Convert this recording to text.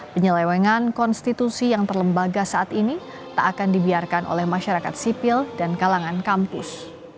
penyelewengan konstitusi yang terlembaga saat ini tak akan dibiarkan oleh masyarakat sipil dan kalangan kampus